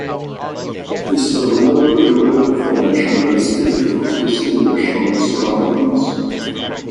This is a low, eroded formation that is difficult to distinguish from its surroundings.